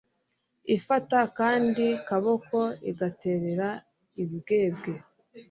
ifata akandi kaboko igatererera imbwebwe